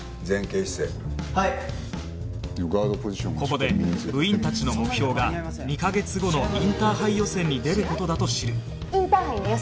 ここで部員たちの目標が２カ月後のインターハイ予選に出る事だと知る試合？